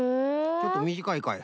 ちょっとみじかいかい。